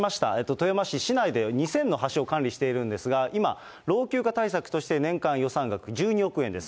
富山市市内で２０００の橋を管理しているんですが、今、老朽化対策として年間予算額１２億円です。